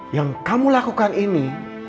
yang kamu lakukan ini